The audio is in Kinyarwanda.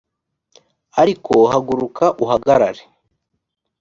ariko haguruka uhagarare